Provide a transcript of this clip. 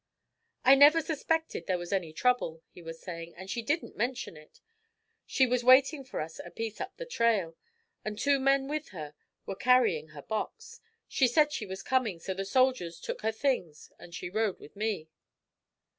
"I never suspected there was any trouble," he was saying, "and she didn't mention it. She was waiting for us a piece up the trail, and two men with her were carrying her box. She said she was coming, so the soldiers took her things and she rode with me.